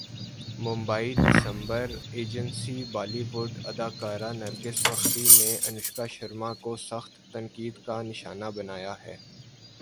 ممبئی دسمبرایجنسی بالی وڈ اداکارہ نرگس فخری نے انوشکا شرما کو سخت تنقید کا نشانہ بنایا ہے